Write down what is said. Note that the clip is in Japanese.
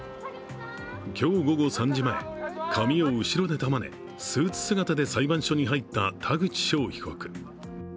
今日午後３時前、髪を後ろで束ねスーツ姿で裁判所に入った田口翔被告。